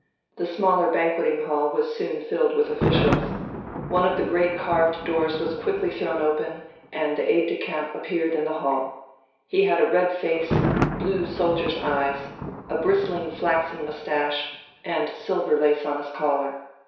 The smaller banqueting hall was soon filled with officials. One of the great carved doors was quickly thrown open, and the aide de camp appeared in the hall. He had a red face, blue soldier's eyes, a bristling flaxen moustache, and silver lace on his collar.